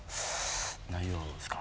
内容ですか？